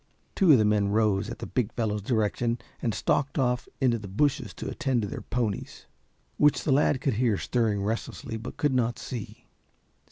Two of the men rose at the big fellow's direction and stalked off into the bushes to attend to their ponies, which the lad could hear stirring restlessly, but could not see.